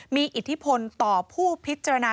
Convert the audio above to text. มีอิทธิพลต่อผู้พิจารณา